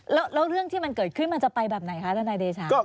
แล้วเรื่องที่มันเกิดขึ้นมันจะไปแบบไหนคะทนายเดชา